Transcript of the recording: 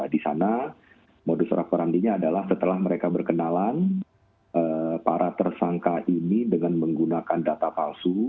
di sana modus raperandinya adalah setelah mereka berkenalan para tersangka ini dengan menggunakan data palsu